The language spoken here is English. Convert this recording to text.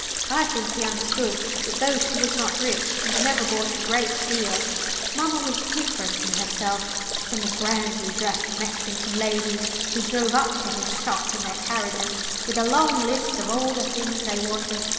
I think he understood that though she was not rich, and never bought a great deal, mamma was different in herself from the grandly dressed Mexington ladies who drove up to his shop in their carriages, with a long list of all the things they wanted.